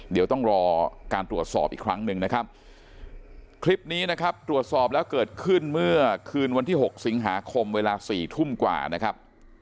เดี๋ยวต้องรอการตรวจสอบอีกครั้งหนึ่งนะครับคลิปนี้นะครับตรวจสอบแล้วเกิดขึ้นเมื่อคืนวันที่๖สิงหาคมเวลา๔ทุ่มกว่านะครับ